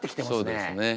そうですね。